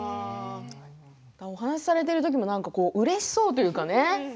お話しされてるときもなんか、うれしそうというかね。